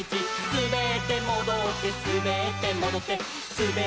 「すべってもどってすべってもどって」